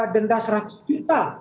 denda seratus juta